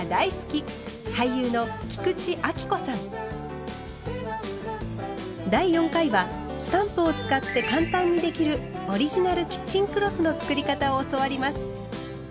俳優の第４回はスタンプを使って簡単にできるオリジナルキッチンクロスの作り方を教わります。